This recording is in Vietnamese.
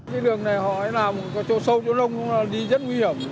tuyến đường này họ nói là một chỗ sâu chỗ lông đi rất nguy hiểm